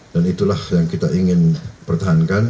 dan itulah yang kita ingin pertahankan